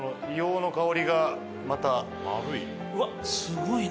うわっすごいな。